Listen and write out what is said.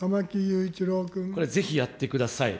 これ、ぜひやってください。